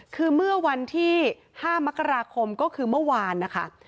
คือเมื่อวันที่๕มกราคมก็คือเมื่อวานนะคะ